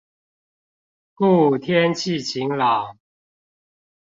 故天氣晴朗